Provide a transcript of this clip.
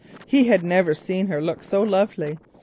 He had never seen her look so lovely.